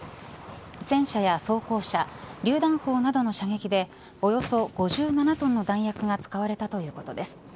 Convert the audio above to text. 戦車や装甲車りゅう弾砲などの射撃でおよそ５７トンの弾薬が使われたということです。